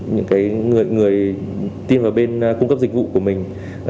những cái người tin vào bên cung cấp dịch vụ của mình